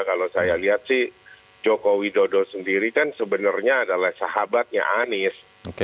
kalau saya lihat sih joko widodo sendiri kan sebenarnya adalah sahabatnya anies